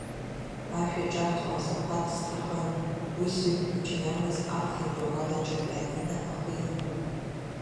Ашә иаҿарҵо асаԥаҭ сҭахын, уи сыҩн хәыҷы иамаз аԥхьатәи ауадаҿы апианино ахы иқәын.